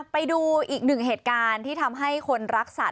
ไปดูอีกหนึ่งเหตุการณ์ที่ทำให้คนรักสัตว